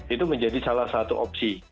itu menjadi salah satu opsi